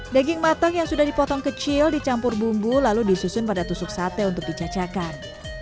daging matang yang sudah dipotong kecil dicampur bumbu lalu disusun pada tusuk sate untuk dicacakan